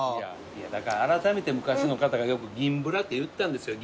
だからあらためて昔の方がよく銀ブラって言ったんですよ。